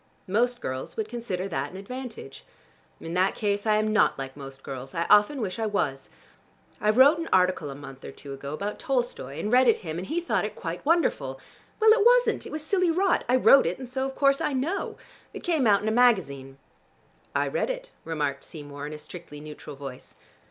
"Most girls would consider that an advantage." "In that case I am not like most girls; I often wish I was. I wrote an article a month or two ago about Tolstoi, and read it him, and he thought it quite wonderful. Well, it wasn't. It was silly rot: I wrote it, and so of course I know. It came out in a magazine." "I read it," remarked Seymour in a strictly neutral voice.